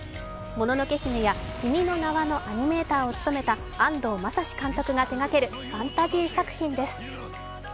「もののけ姫」や「君の名は」のアニメーターを務めた安藤雅司監督が手がけるファンタジー作品です。